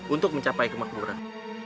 untuk mencapai kemahmuran